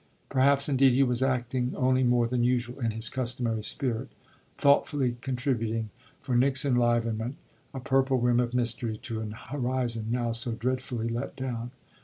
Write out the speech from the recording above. Perhaps indeed he was acting only more than usual in his customary spirit thoughtfully contributing, for Nick's enlivenment, a purple rim of mystery to an horizon now so dreadfully let down.